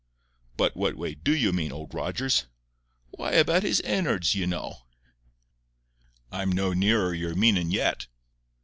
"But what way DO you mean, Old Rogers?" "Why, about his in'ards, you know." "I'm no nearer your meanin' yet."